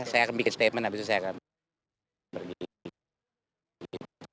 saya akan bikin statement habis itu saya akan pergi